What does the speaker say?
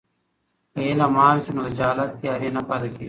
که علم عام سي نو د جهالت تیارې نه پاتې کېږي.